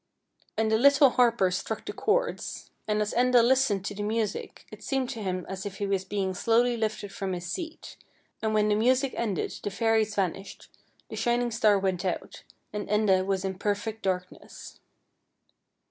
And the little harpers struck the chords, and as Enda listened to the music it seemed to him as if he was being slowly lifted from his seat, and when the music ended the fairies vanished, the shining star went out, and Enda was in per fect darkness.